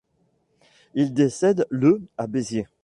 Il décède le à Béziers.